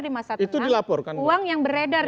di masa tenang uang yang beredar